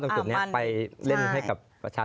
สนุนโดยอีซุสุข